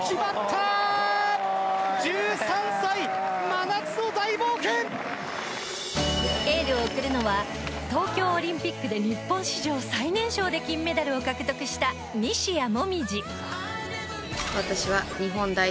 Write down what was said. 糖質ゼロエールを送るのは東京オリンピックで日本史上最年少で金メダルを獲得した、西矢椛。